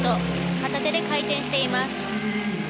片手で回転しています。